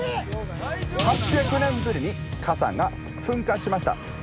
８００年ぶりに火山が噴火しました。